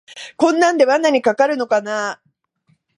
こんなんで罠にかかるのかなあ